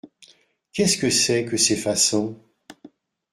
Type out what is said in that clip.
Qu’est-ce que c’est que ces façons ?